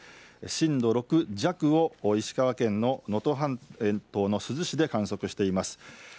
震度６弱を石川県の能登半島の珠洲市で観測しています。